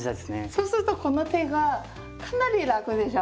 そうするとこの手がかなり楽でしょ？